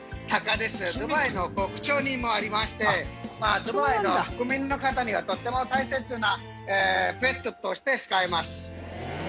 ドバイの国鳥にもありましてまあドバイの国民の方にはとっても大切なペットとして好かれます